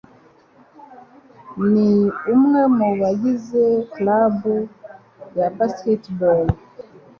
Ni umwe mu bagize club ya basketball.